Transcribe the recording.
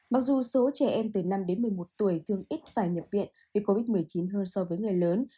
mặc dù số trẻ em từ năm đến một mươi một tuổi thường ít phải nhập viện vì covid một mươi chín hơn so với người lớn